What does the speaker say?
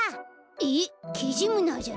えっキジムナーじゃないの？